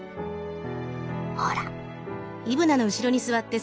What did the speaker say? ほら。